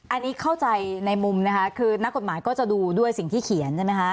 อันนี้เข้าใจในมุมนะคะคือนักกฎหมายก็จะดูด้วยสิ่งที่เขียนใช่ไหมคะ